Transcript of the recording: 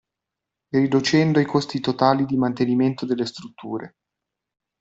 Riducendo i costi totali di mantenimento delle strutture.